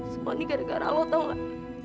semua ini gara gara lo tau gak